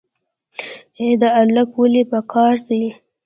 ای دا الک ولې په قار دی.